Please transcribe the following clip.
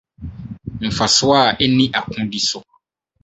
Mfaso a Enni Akodi So